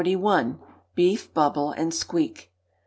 Beef Bubble and Squeak.